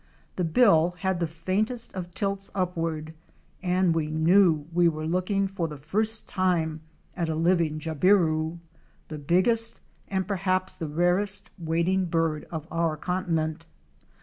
The bill had the faintest of tilts upward and we knew we were looking for the first time at a living Jabiru," the biggest and perhaps the rarest wading bird of our continent.